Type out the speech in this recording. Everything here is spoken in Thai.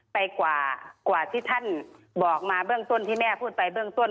ไปกว่าที่ท่านบอกมาเบื้องต้นที่แม่พูดไปเบื้องต้น